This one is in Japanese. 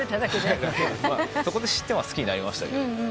そこで知って好きになりましたけど。